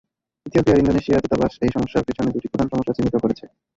ইথিওপিয়ার Indonesia দূতাবাস এই সমস্যার পিছনে দুটি প্রধান সমস্যা চিহ্নিত করেছে।